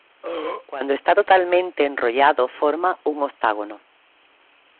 Cuando está totalmente enrollado forma un octágono.